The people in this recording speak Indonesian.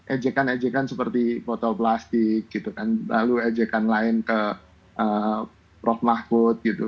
ejekan ejekan seperti botol plastik gitu kan lalu ejekan lain ke prof mahfud gitu